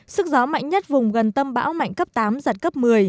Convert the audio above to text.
sức gió mạnh nhất vùng gần tâm bão mạnh cấp tám giật cấp một mươi